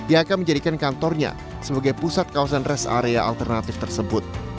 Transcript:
yang akan menjadikan kantornya sebagai pusat kawasan rest area alternatif tersebut